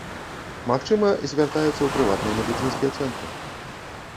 Магчыма, звяртаюцца ў прыватныя медыцынскія цэнтры.